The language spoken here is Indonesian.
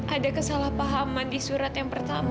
ada kesalahpahaman di surat yang pertama